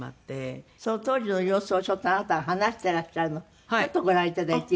その当時の様子をちょっとあなたが話してらっしゃるのちょっとご覧いただいていいですか？